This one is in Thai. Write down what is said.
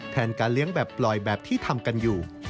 การเลี้ยงแบบปล่อยแบบที่ทำกันอยู่